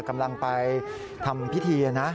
กำลังไปทำพิธีนะ